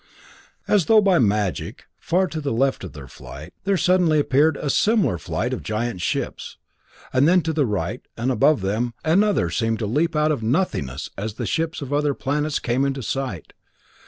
As though by magic, far to the left of their flight, there suddenly appeared a similar flight of giant ships, and then to the right, and above them, another seemed to leap out of nothingness as the ships of other planets came into sight.